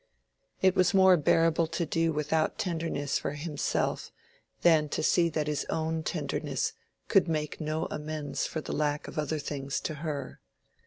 It was more bearable to do without tenderness for himself than to see that his own tenderness could make no amends for the lack of other things to her.